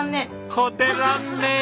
こてらんねえ！